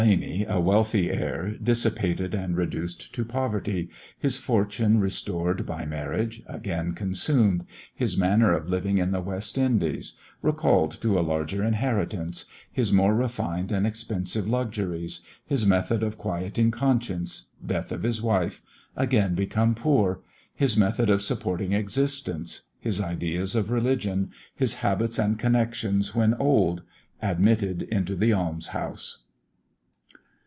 Blaney, a wealthy Heir, dissipated, and reduced to Poverty His fortune restored by Marriage; again consumed His Manner of Living in the West Indies Recalled to a larger Inheritance His more refined and expensive Luxuries His method of quieting Conscience Death of his Wife Again become poor His method of supporting Existence His Ideas of Religion His Habits and Connections when old Admitted into the Alms house.